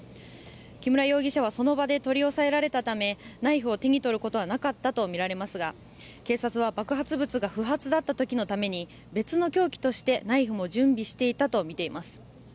木村容疑者はその場で取り押さえられたためナイフを手に取ることはなかったとみられますが警察は爆発物が不発だった時のために別の凶器としてナイフも準備していたとみています。